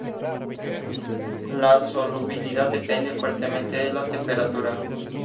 La solubilidad depende fuertemente de la temperatura.